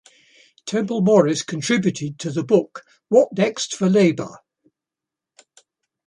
Temple-Morris contributed to the book What next for Labour?